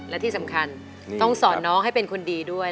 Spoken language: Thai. และที่สำคัญต้องสอนน้องให้เป็นคนดีด้วย